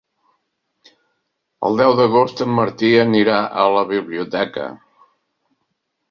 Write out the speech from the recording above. El deu d'agost en Martí anirà a la biblioteca.